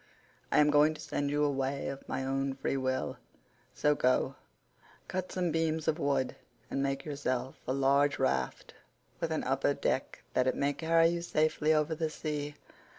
I am going to send you away of my own free will; so go, cut some beams of wood, and make yourself a large raft with an upper deck that it may carry you safely over the sea.